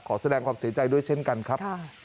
ขอแสดงความเสียใจด้วยเช่นกันครับ